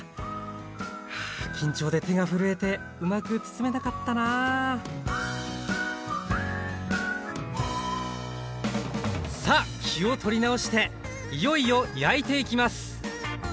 はあ緊張で手が震えてうまく包めなかったなさあ気を取り直していよいよ焼いていきます！